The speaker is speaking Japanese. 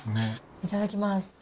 いただきます。